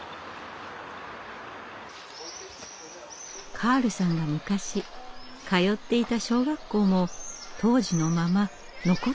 カールさんが昔通っていた小学校も当時のまま残っていました。